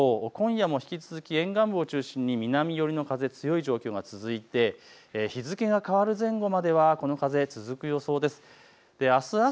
今後、風の予想を見てみると今夜も引き続き沿岸部を中心に南寄りの風が強い状況、続いて日付が変わる前後まではこの風、続く予想です。